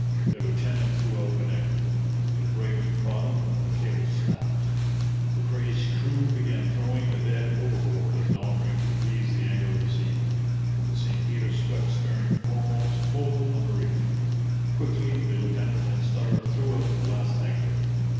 The lieutenant threw out an anchor. It raked bottom and the cable snapped. The crazed crew began throwing the dead overboard as an offering to appease the anger of the sea. The St Peter swept stern foremost full on a reef. Quickly the lieutenant and Steller threw out the last anchor.